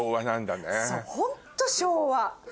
そうホント昭和。